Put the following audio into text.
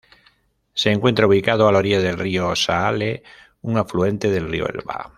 Se encuentra ubicado a la orilla del río Saale, un afluente del río Elba.